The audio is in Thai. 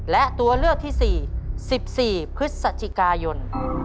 และตัวเลือกที่๔๑๔พฤศจิกายน